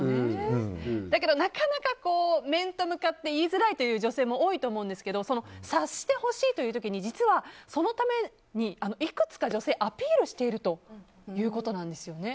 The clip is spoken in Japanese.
だけど、なかなか面と向かって言いづらいという女性も多いと思うんですけど察してほしいという時に実は、そのためにいくつか、女性アピールしているということなんですね。